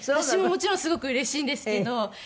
私ももちろんすごくうれしいんですけど。